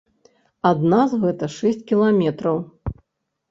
Ад нас гэта шэсць кіламетраў.